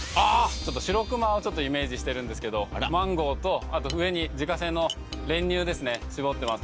ちょっと白くまをイメージしてるんですけどマンゴーとあと上に自家製の練乳ですね搾ってます